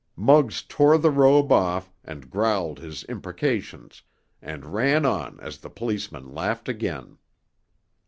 Muggs tore the robe off and growled his imprecations, and ran on as the policeman laughed again.